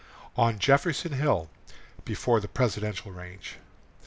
ON JEFFERSON HILL. (BEFORE THE PRESIDENTIAL RANGE.)